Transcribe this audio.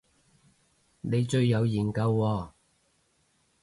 你最有研究喎